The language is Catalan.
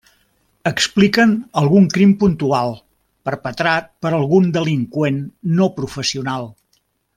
Expliquen algun crim puntual, perpetrat per algun delinqüent no professional.